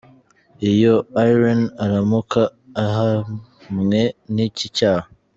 Iyo Iryn aramuka ahamwe niki cyaha.